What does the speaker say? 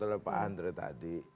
atau pak andre tadi